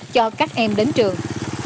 cho các em đến trường